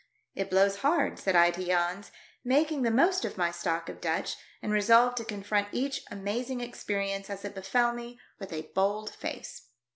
"It blows hard," said I to Jans, making the most of my stock of Dutch, and resolved to confront each amazing experience as it befel me with a bokl face.